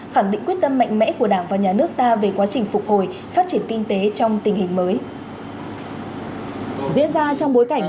khẳng định quyết tâm mạnh mẽ của đảng và nhà nước ta về quá trình phục hồi phát triển kinh tế trong tình hình mới